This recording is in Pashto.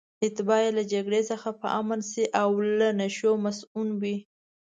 اتباع یې له جګړې څخه په امن شي او له نشو مصئون وي.